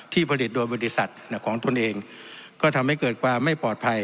ผลิตโดยบริษัทของตนเองก็ทำให้เกิดความไม่ปลอดภัย